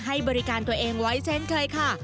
ให้บริการตัวเองไว้เช่นเคยค่ะ